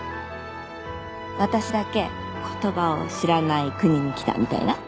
私だけ言葉を知らない国に来たみたいな。